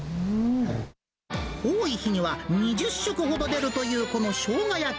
多い日には２０食ほど出るというこのショウガ焼き。